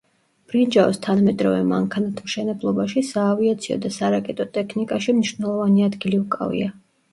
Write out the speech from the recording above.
ბრინჯაოს თანამედროვე მანქანათმშენებლობაში, საავიაციო და სარაკეტო ტექნიკაში მნიშვნელოვანი ადგილი უკავია.